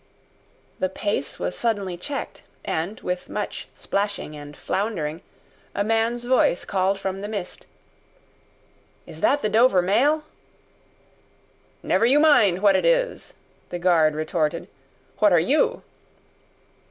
The pace was suddenly checked, and, with much splashing and floundering, a man's voice called from the mist, "Is that the Dover mail?" "Never you mind what it is!" the guard retorted. "What are you?"